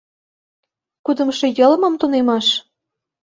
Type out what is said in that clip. Кудымшо йылмым тунемаш?